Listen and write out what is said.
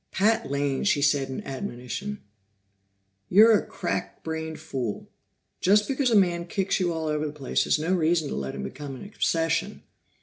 "Pat Lane," she said in admonition, "you're a crack brained fool! Just because a man kicks you all over the place is no reason to let him become an obsession."